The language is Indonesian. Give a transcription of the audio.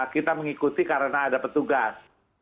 kita mengikuti karena ada petugas